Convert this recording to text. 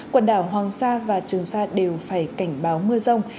quần đảo hoàng sa và trường sa đều phải cảnh báo mưa rông